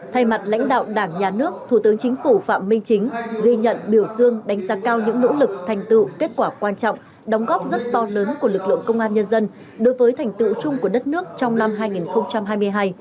thay mặt lãnh đạo đảng nhà nước thủ tướng chính phủ phạm minh chính ghi nhận biểu dương đánh giá cao những nỗ lực thành tựu kết quả quan trọng đóng góp rất to lớn của lực lượng công an nhân dân đối với thành tựu chung của đất nước trong năm hai nghìn hai mươi hai